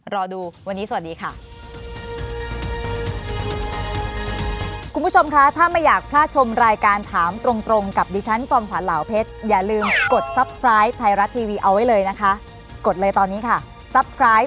รอดูวันนี้สวัสดีค่ะ